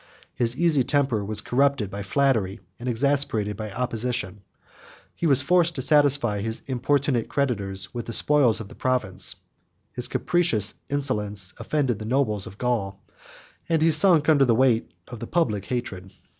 His easy temper was corrupted by flattery, and exasperated by opposition; he was forced to satisfy his importunate creditors with the spoils of the province; his capricious insolence offended the nobles of Gaul, and he sunk under the weight of the public hatred.